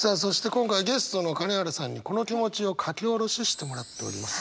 今回ゲストの金原さんにこの気持ちを書き下ろししてもらっております。